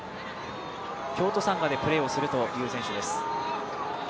京都サンガでプレーをするという選手です。